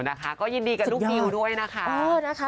นะคะก็ยินดีกับลูกดิวด้วยนะคะ